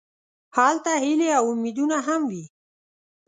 هلته هیلې او امیدونه هم وي.